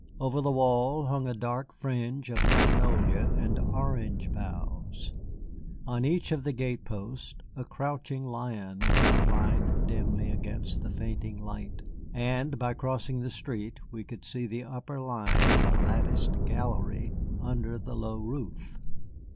Over the wall hung a dark fringe of magnolia and orange boughs. On each of the gate posts a crouching lion was outlined dimly against the fainting light, and, by crossing the street, we could see the upper line of a latticed gallery under the low roof.